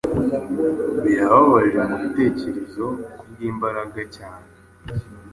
Birababaje mubitekerezo Kubwimbaraga cyane